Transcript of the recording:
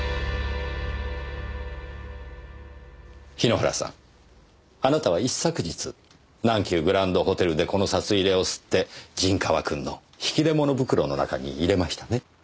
桧原さんあなたは一昨日南急グランドホテルでこの札入れを掏って陣川君の引き出物袋の中に入れましたね。